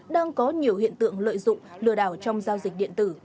đang có nhiều hiện tượng lợi dụng lừa đảo trong giao dịch điện tử